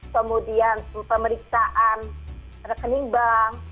kemudian pemeriksaan rekening bank